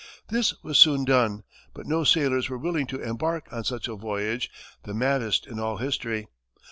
This was soon done, but no sailors were willing to embark on such a voyage, the maddest in all history.